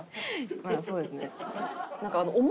まあそうですね。